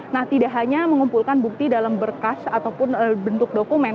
nah tidak hanya mengumpulkan bukti dalam berkas ataupun bentuk dokumen